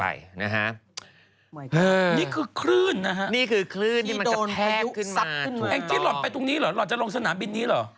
เองจิ๊นลดไปตรงนี้เหรอลดจะลงสนามบินนี้เหรอ